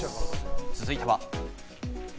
続いては。